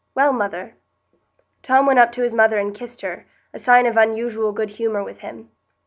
Well, mother!" Tom went up to his mother and kissed her, a sign of unusual good humour with him.